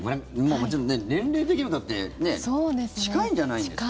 もちろん、年齢的にもだって近いんじゃないんですか？